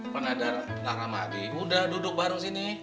kan ada nara mah adik muda duduk bareng sini